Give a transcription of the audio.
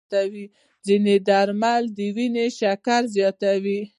ځینې درمل د وینې شکر زیاتوي.